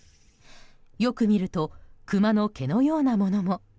よく見るとクマの毛のようなものも。